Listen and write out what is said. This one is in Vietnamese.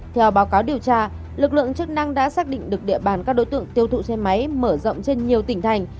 theo báo cáo điều tra lực lượng chức năng đã xác định được địa bàn các đối tượng tiêu thụ xe máy mở rộng trên nhiều tỉnh thành